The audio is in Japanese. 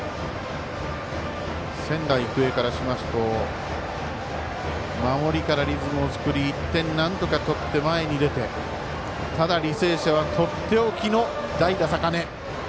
仙台育英からしますと守りからリズムを作り１点、なんとか取って前に出てただ、履正社はとっておきの代打坂根。